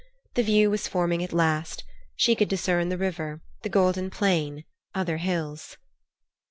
The view was forming at last; she could discern the river, the golden plain, other hills.